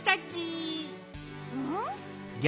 うん？